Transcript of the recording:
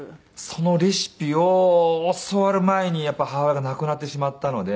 そのレシピを教わる前に母親が亡くなってしまったので。